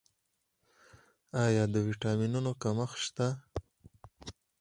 آیا د ویټامینونو کمښت شته؟